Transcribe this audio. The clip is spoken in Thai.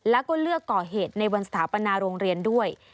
แล้วก็เลือกก่อเหตุในวันสถาปนาโรงเรียนด้วย